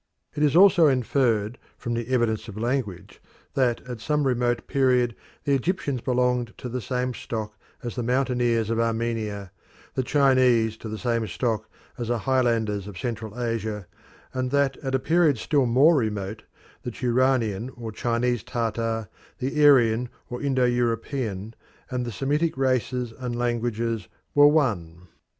It is also inferred from the evidence of language that at some remote period the Egyptians belonged to the same stock as the mountaineers of Armenia, the Chinese to the same stock as the highlanders of Central Asia, and that at a period still more remote the Turanian or Chinese Tartar, the Aryan or Indo European, and the Semitic races and languages were one.